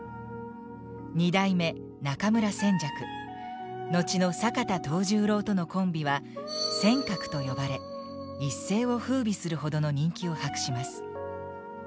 二代目中村扇雀後の坂田藤十郎とのコンビは「扇鶴」と呼ばれ一世を風靡するほどの人気を博します。